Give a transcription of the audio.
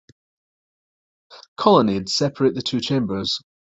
Colonnades separate the two chambers.